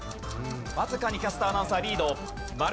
わずかにキャスター・アナウンサーリード。